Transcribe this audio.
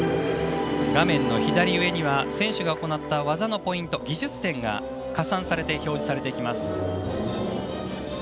画面の左上には選手が行った技のポイント技術点が加算されて表示されていきます。